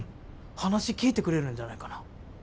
話聞いてくれるんじゃないかな。